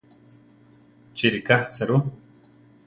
Chi ríka serú?